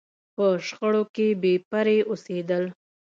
په شخړو کې بې پرې اوسېدل.